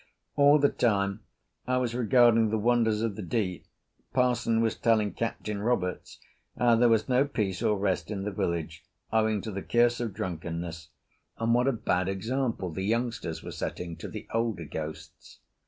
All the time I was regarding the wonders of the deep parson was telling Captain Roberts how there was no peace or rest in the village owing to the curse of drunkenness, and what a bad example the youngsters were setting to the older ghosts.